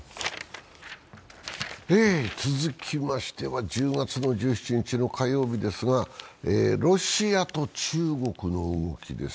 続きましては１０月１７日の火曜日ですがロシアと中国の動きです。